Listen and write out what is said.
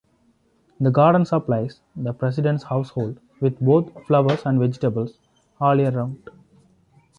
The garden supplies the President's household with both flowers and vegetables all year round.